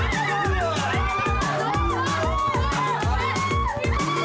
sip sip makan dulu emak emak palanya